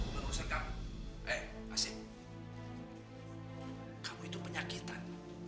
mas kamu itu penyakitan